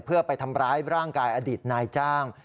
เพื่อไปทำร้ายร่างกายอดีตนายจ้าง